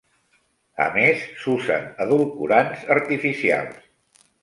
A més, s'usen edulcorants artificials.